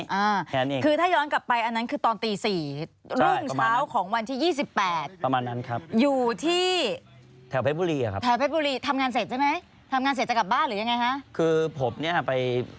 อ่าคือถ้าย้อนกลับไปอันนั้นคือตอนตี๔